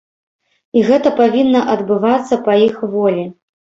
І гэта павінна адбывацца па іх волі.